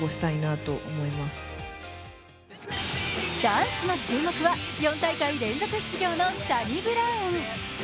男子の注目は４大会連続出場のサニブラウン。